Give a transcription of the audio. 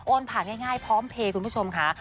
ผ่านง่ายพร้อมเพลย์คุณผู้ชมค่ะ